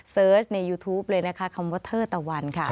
เสิร์ชในยูทูปเลยนะคะคำว่าเทอร์ตะวันค่ะ